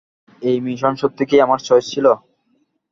এই মিশন সত্যিই কি আমার চয়েজ ছিল?